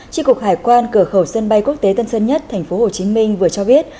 tri cục hải quan cửa khẩu sân bay quốc tế tân sơn nhất thành phố hồ chí minh vừa cho biết